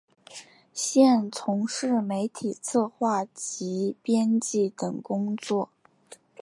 现从事媒体策划及编辑等工作。